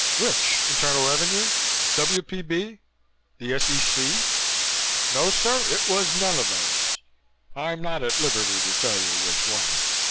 "Which? Internal Revenue? W.P.B.? The S.E.C?" "No sir, it was none of those. I'm not at liberty to tell you which one.